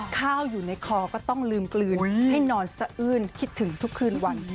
ข้าวอยู่ในคอก็ต้องลืมกลืนให้นอนสะอื้นคิดถึงทุกคืนวัน